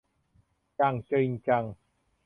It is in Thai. อย่างจริงจัง